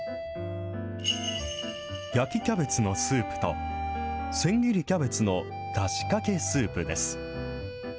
焼きキャベツのスープと、せん切りキャベツのだしかけスープです。